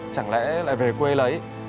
chẳng lẽ lại về quê lấy